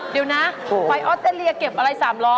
เดี๋ยวนะไปออสเตรเลียเก็บอะไร๓ล้อ